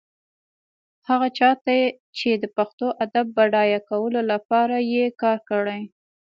هغه چا ته چې د پښتو ادب بډایه کولو لپاره يې کار کړی.